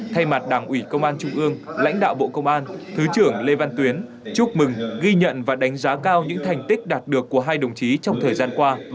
thay mặt đảng ủy công an trung ương lãnh đạo bộ công an thứ trưởng lê văn tuyến chúc mừng ghi nhận và đánh giá cao những thành tích đạt được của hai đồng chí trong thời gian qua